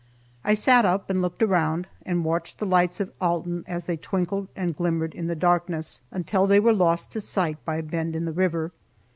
I sat up and looked around and watched the lights of Alton as they twinkled and glimmered in the darkness, until they were lost to sight by a bend in the river.